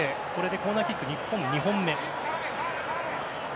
コーナーキックは日本２本目。